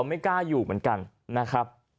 ไม่กล้าอยู่เหมือนกันนะครับ